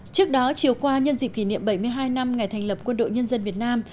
trước đó chiều qua nhân dịp kỷ niệm bảy mươi hai năm ngày thành lập quân đội nhân dân việt nam